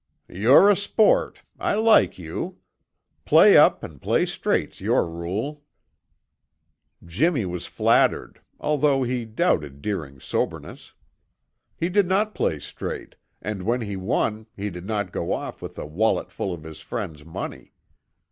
"You're a sport; I like you! Play up and play straight's your rule." Jimmy was flattered, although he doubted Deering's soberness. He did play straight, and when he won he did not go off with a walletful of his friends' money.